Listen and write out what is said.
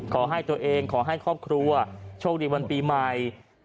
ขอให้ตัวเองขอให้ครอบครัวโชคดีวันปีใหม่